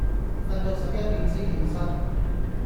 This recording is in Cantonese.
訓到十一點先起身